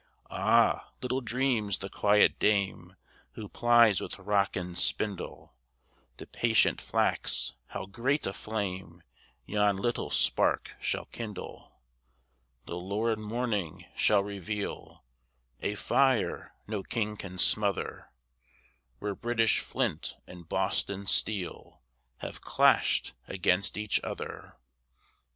Ah, little dreams the quiet dame Who plies with rock and spindle The patient flax, how great a flame Yon little spark shall kindle! The lurid morning shall reveal A fire no king can smother Where British flint and Boston steel Have clashed against each other!